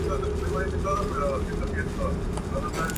Las cabezas se volvían a enterrar.